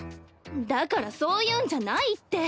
だからそういうんじゃないって！